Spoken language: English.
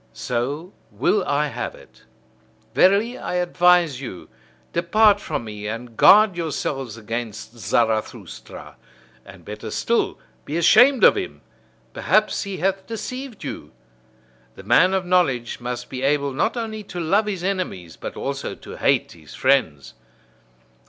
So will I have it. Verily, I advise you: depart from me, and guard yourselves against Zarathustra! And better still: be ashamed of him! Perhaps he hath deceived you. The man of knowledge must be able not only to love his enemies, but also to hate his friends.